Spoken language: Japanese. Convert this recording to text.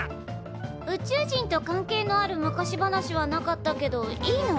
宇宙人と関係のある昔話はなかったけどいいの？